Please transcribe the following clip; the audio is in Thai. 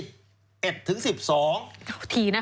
ทีนะคะ